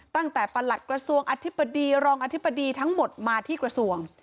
ประหลัดกระทรวงอธิบดีรองอธิบดีทั้งหมดมาที่กระทรวง